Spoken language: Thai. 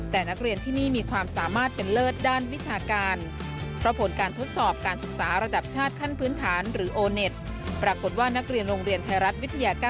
ติดตามพร้อมกันจากรายงานครับ